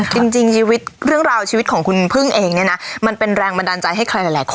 กรุณีกรุณีคนนี้เป็นเร็วมาก